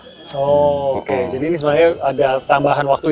jadi ini sebenarnya ada tambahan waktu ya